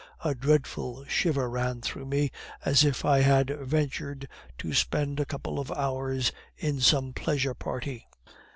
A dreadful shiver ran through me if I had ventured to spend a couple of hours in some pleasure party.